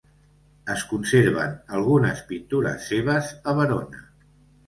Es conserven algunes pintures seves a Verona.